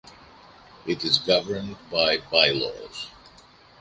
It is governed by bylaws.